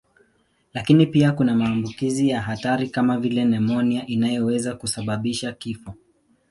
Lakini pia kuna maambukizi ya hatari kama vile nimonia inayoweza kusababisha kifo.